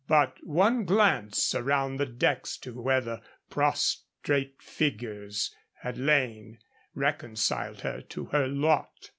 But one glance around the decks to where the prostrate figures had lain reconciled her to her lot.